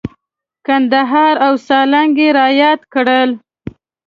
کندهار او سالنګ یې را یاد کړل.